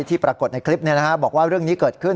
ปรากฏในคลิปบอกว่าเรื่องนี้เกิดขึ้น